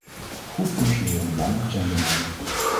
Goed functionerende mannen zijn de norm.